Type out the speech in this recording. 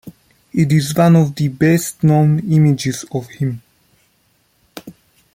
It is one of the best known images of him.